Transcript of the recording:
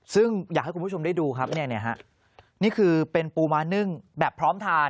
ซึ่งอยากให้คุณผู้ชมได้ดูครับนี่คือเป็นปูม้านึ่งแบบพร้อมทาน